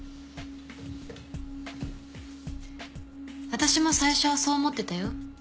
私も最初はそう思ってたよ。